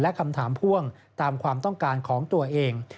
และคำถามพ่วงตามความต้องการของตัวเอง